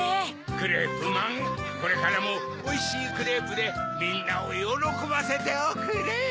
クレープマンこれからもおいしいクレープでみんなをよろこばせておくれ。